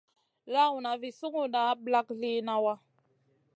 Lawna vi sunguda ɓlak liyna wa.